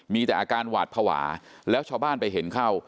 มีแต่อาการหวาดภาวะแล้วชาวบ้านไปเห็นเข้า